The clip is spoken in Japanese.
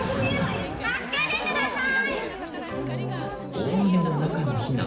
大雨の中の避難。